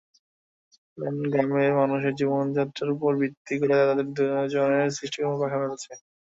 কারণ, গ্রামের মানুষের জীবনযাত্রার ওপর ভিত্তি করে তাঁদের দুজনের সৃষ্টিকর্ম পাখা মেলেছে।